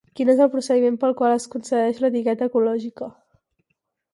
Quin és el procediment pel qual es concedeix l'etiqueta ecològica?